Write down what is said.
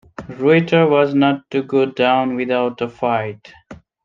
Reuter was not to go down without a fight.